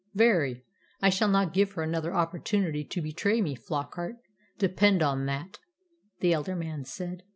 "Very. I shall not give her another opportunity to betray me, Flockart, depend upon that," the elder man said.